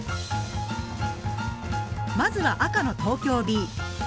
まずは赤の東京Ｂ。